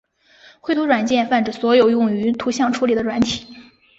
绘图软件泛指所有用于图像处理的软体。